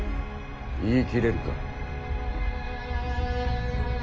言い切れるか？